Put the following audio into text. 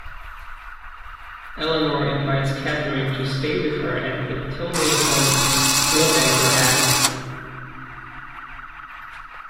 Eleanor invites Catherine to stay with her at the Tilneys' home, Northanger Abbey.